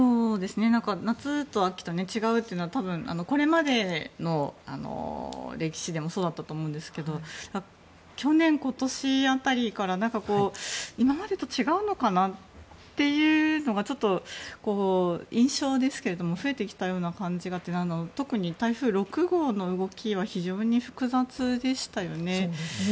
夏と秋と違うというのはこれまでの歴史でもそうだったと思うんですが去年、今年辺りから今までと違うのかなっていうのが印象ですけど増えてきたような感じがして特に台風６号の動きは非常に複雑でしたよね。